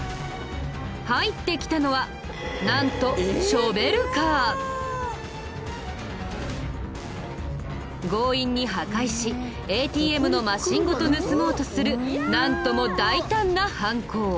入ってきたのはなんと強引に破壊しＡＴＭのマシンごと盗もうとするなんとも大胆な犯行。